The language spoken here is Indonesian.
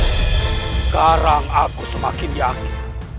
sekarang aku semakin yakin